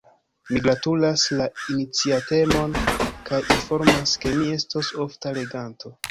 Mi gratulas la iniciatemon, kaj informas ke mi estos ofta leganto.